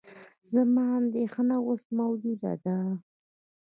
زما اندېښنه اوس موجوده ده.